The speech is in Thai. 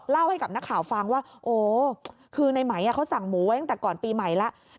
เล่าให้กับนักข่าวฟังว่าโอ้คือในไหมเขาสั่งหมูไว้ตั้งแต่ก่อนปีใหม่แล้ว